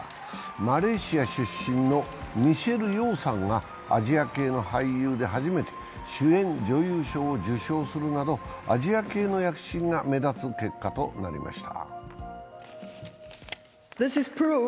マレーシア出身のミシェル・ヨーさんがアジア系の俳優で初めて主演女優賞を受賞するなどアジア系の躍進が目立つ結果となりました。